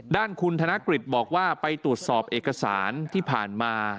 ด้านคุณธนกฤษบอกว่าไปตรวจสอบเอกสารที่ผ่านมา